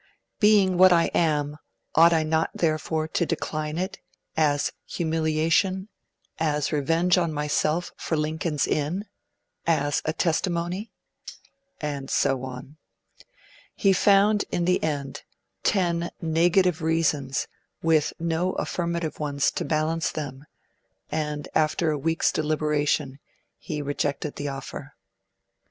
Being what I am, ought I not therefore to decline it (1) as humiliation; (2) as revenge on myself for Lincoln's Inn; (3) as a testimony? And so on. He found in the end ten 'negative reasons', with no affirmative ones to balance them, and, after a week's deliberation, he rejected the offer.